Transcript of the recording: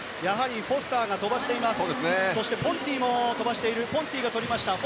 フォスターが飛ばしている。